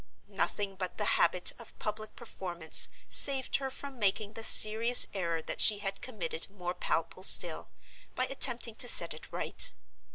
Nothing but the habit of public performance saved her from making the serious error that she had committed more palpable still, by attempting to set it right.